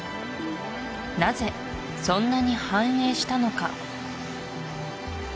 なぜそんなに繁栄したのか？